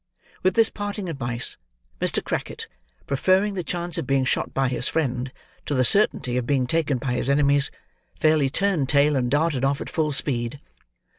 With this parting advice, Mr. Crackit, preferring the chance of being shot by his friend, to the certainty of being taken by his enemies, fairly turned tail, and darted off at full speed.